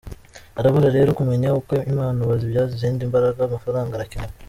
Harabura rero kumenya uko impano bazibyaza izindi mbaraga, amafaranga arakenewe.